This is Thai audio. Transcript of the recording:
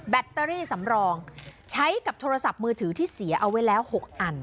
ตเตอรี่สำรองใช้กับโทรศัพท์มือถือที่เสียเอาไว้แล้ว๖อัน